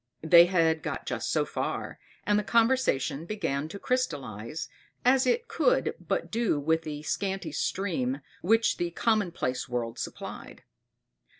They had got just so far, and the conversation began to crystallise, as it could but do with the scanty stream which the commonplace world supplied.